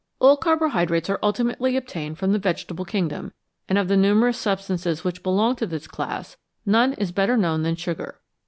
All carbohydrates are ultimately obtained from the vegetable kingdom, and of the numerous substances which belong to this class, none is better known than sugar.